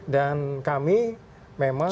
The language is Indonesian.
dan kami memang